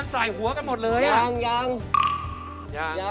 ได้ทุกฝั่งเลยค่ะ